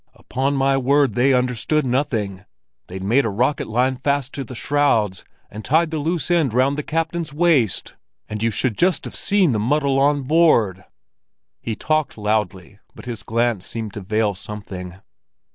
"Upon my word, they understood nothing. They'd made the rocket line fast to the shrouds, and tied the loose end round the captain's waist! And you should just have seen the muddle on board!" He talked loudly, but his glance seemed to veil something.